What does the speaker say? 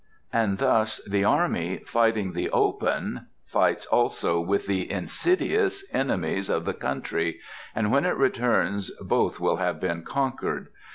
And thus the army, fighting the open, fights also with the insidious enemies of the country, and when it returns both will have been conquered.